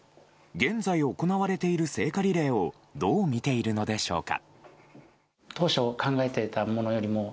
現在、行われている聖火リレーをどう見ているのでしょうか。